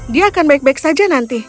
dia akan baik baik saja nanti